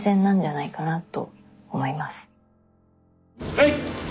はい。